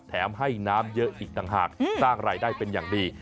แถมให้น้ำเยอะอีกต่างหากสร้างรายได้เป็นอย่างดี